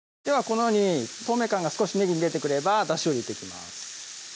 このように透明感が少しねぎに出てくればだしを入れていきます